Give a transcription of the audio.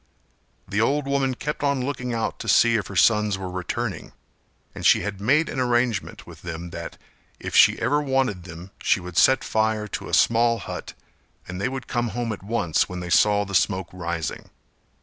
The old woman kept on looking out to see if her sons were returning, and she had made an arrangement with them that if she ever wanted them she would set fire to a small hut and they would come home at once when they saw the smoke rising.